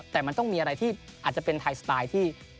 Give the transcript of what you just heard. แต่มันต้องมีอะไรที่อาจจะเป็นไทยสไตล์ที่